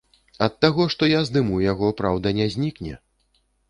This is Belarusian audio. Ад таго, што я здыму яго, праўда не знікне!